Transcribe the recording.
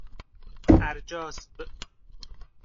اَرجاسب